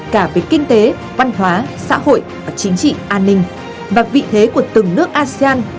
cả về kinh tế văn hóa xã hội và chính trị an ninh và vị thế của từng nước asean